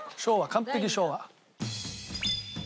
完璧に昭和。